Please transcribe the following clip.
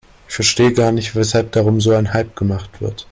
Ich verstehe gar nicht, weshalb darum so ein Hype gemacht wird.